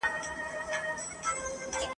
د ریا پر خلوتونو به یرغل وي !.